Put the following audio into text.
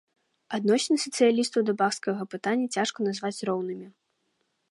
Адносіны сацыялістаў да баскскага пытання цяжка назваць роўнымі.